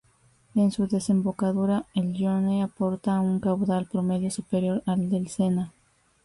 En su desembocadura el Yonne aporta un caudal promedio superior al del Sena.